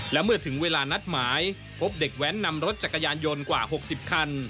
และเมื่อถึงเวลานัดหมายพบเด็กแว้นนำรถจักรยานยนต์กว่า๖๐คัน